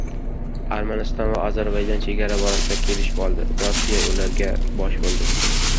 Armaniston va Ozarbayjon chegara borasida kelishib oldi. Rossiya ularga bosh bo‘ldi